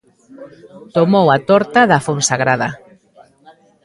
Tomou a torta da Fonsagrada.